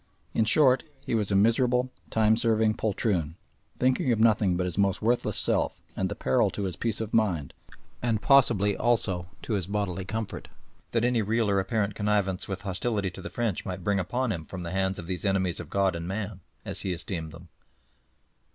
In short, he was a miserable, time serving poltroon, thinking of nothing but his own most worthless self and the peril to his peace of mind, and possibly also to his bodily comfort, that any real or apparent connivance with hostility to the French might bring upon him from the hands of these enemies of God and man, as he esteemed them.